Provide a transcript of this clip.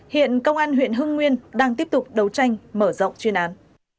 hiện công an huyện hưng nguyên đang tiếp tục đấu tranh mở rộng chuyên án